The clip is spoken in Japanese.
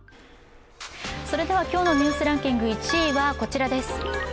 今日の「ニュースランキング」１位はこちらです。